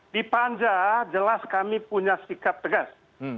di panja jelas kami punya sikap tegas